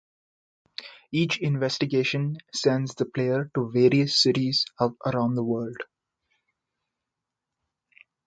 Each investigation sends the player to various cities around the world.